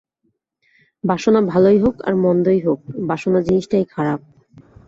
বাসনা ভালই হোক আর মন্দই হোক, বাসনা জিনিষটাই খারাপ।